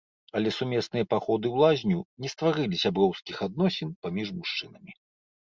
Але сумесныя паходы ў лазню не стварылі сяброўскіх адносін паміж мужчынамі.